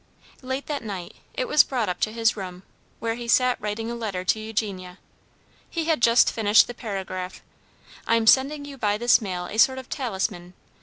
Late that night it was brought up to his room, where he sat writing a letter to Eugenia. He had just finished the paragraph: "I am sending you by this mail a sort of talisman.